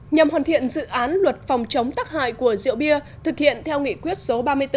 nhằm hoàn thiện dự án luật phòng chống tắc hại của rượu bia thực hiện theo nghị quyết số ba mươi bốn